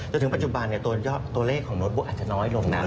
จนถึงปัจจุบันตัวเลขของโน้ตบุ๊กอาจจะน้อยลงนะ